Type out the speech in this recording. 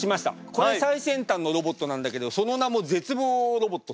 これ最先端のロボットなんだけどその名も「絶望ロボット」。